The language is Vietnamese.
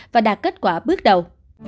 và đạt kết quả bước đầu